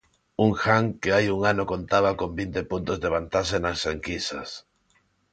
Un Han que hai un ano contaba con vinte puntos de vantaxe nas enquisas.